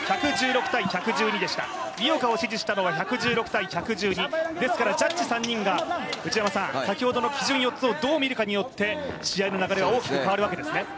井岡を支持したのは１１６−１１２ですからジャッジ３人が先ほどの基準４つをどう見るかによって、試合の流れは大きく変わるわけですね。